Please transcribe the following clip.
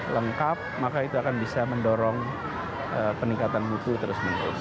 lengkap maka itu akan bisa mendorong peningkatan mutu terus menerus